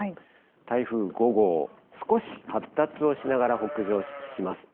台風５号、少し発達をしながら北上します。